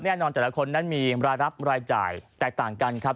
แต่ละคนนั้นมีรายรับรายจ่ายแตกต่างกันครับ